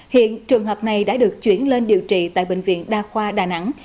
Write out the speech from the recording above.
hiện trường hợp này đã được chuyển lên điều trị tại bệnh viện đa khoa đà nẵng